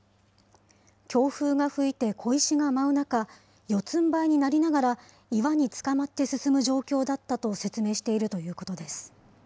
強風が吹いて小石が舞う中、四つんばいになりながら、岩につかまって進む状況だったと説明しているということです。